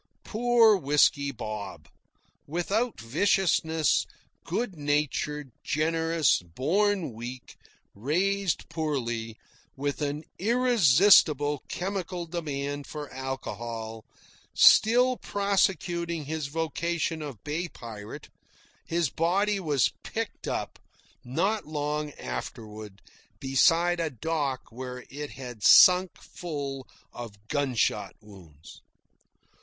(Poor Whisky Bob! without viciousness, good natured, generous, born weak, raised poorly, with an irresistible chemical demand for alcohol, still prosecuting his vocation of bay pirate, his body was picked up, not long afterward, beside a dock where it had sunk full of gunshot wounds.)